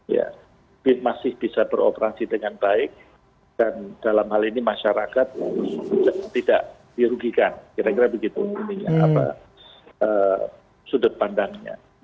ya bin masih bisa beroperasi dengan baik dan dalam hal ini masyarakat tidak dirugikan kira kira begitu sudut pandangnya